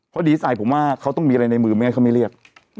เพราะดีไซน์ผมว่าเขาต้องมีอะไรในมือไม่ให้เขาไม่เรียก